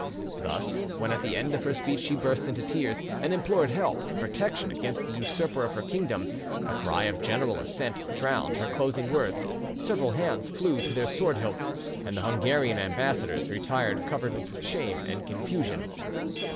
Thus, when at the end of her speech she burst into tears and implored help and protection against the usurper of her kingdom, a cry of general assent drowned her closing words, several hands flew to their sword hilts, and the Hungarian ambassadors retired covered with shame and confusion.